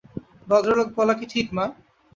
ভদ্রলোক বলা কি ঠিক মা?